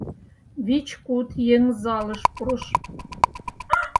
Вич-куд еҥ залыш пурыш.